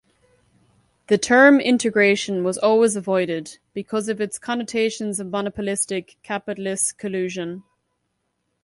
The term "integration" was always avoided because of its connotations of monopolistic capitalist collusion.